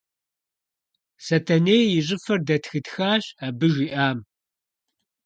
Сэтэней и щӀыфэр дэтхытхащ абы жиӀам.